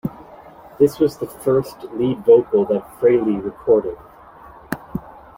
This was the first lead vocal that Frehley recorded.